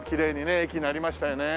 駅なりましたよね。